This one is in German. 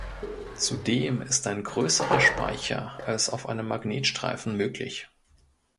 Zudem ist ein größerer Speicher als auf einem Magnetstreifen möglich.